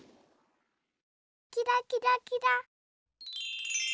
キラキラキラ。